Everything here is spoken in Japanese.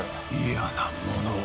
嫌なものを。